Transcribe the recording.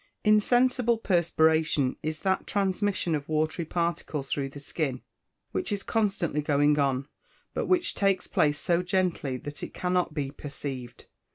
_ Insensible perspiration is that transmission of watery particles through the skin which is constantly going on, but which takes place so gently that it cannot be perceived.